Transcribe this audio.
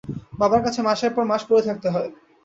বাবার কাছে মাসের পর মাস পড়ে থাকতে হয়।